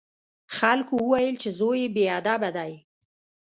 خلکو وویل چې زوی یې بې ادبه دی.